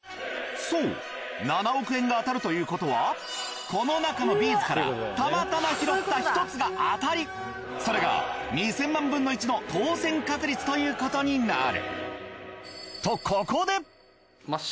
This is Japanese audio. そう７億円が当たるということはこの中のビーズからたまたま拾った１つが当たりそれが２０００万分の１の当選確率ということになる。